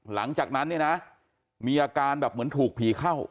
หลังจากนั้นเนี่ยนะมีอาการแบบเหมือนถูกผีเข้า